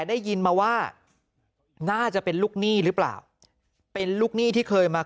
ได้ยินมาว่าน่าจะเป็นลูกหนี้หรือเปล่าเป็นลูกหนี้ที่เคยมา